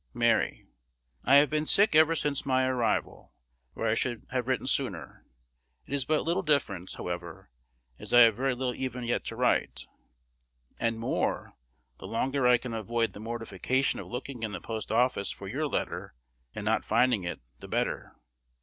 Mary, I have been sick ever since my arrival, or I should have written sooner. It is but little difference, however, as I have very little even yet to write. And more, the longer I can avoid the mortification of looking in the post office for your letter, and not finding it, the better.